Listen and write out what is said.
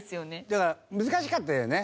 だから難しかったよね。